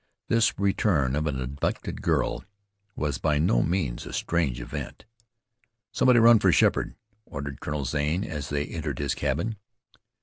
This return of an abducted girl was by no means a strange event. "Somebody run for Sheppard," ordered Colonel Zane, as they entered his cabin.